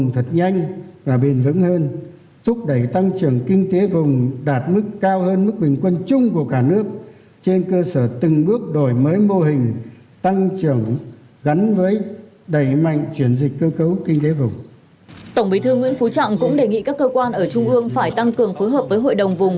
tổng bí thư nguyễn phú trọng cũng đề nghị các cơ quan ở trung ương phải tăng cường phối hợp với hội đồng vùng